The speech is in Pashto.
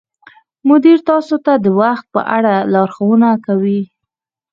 مدیر تاسو ته د وخت په اړه لارښوونه کوي.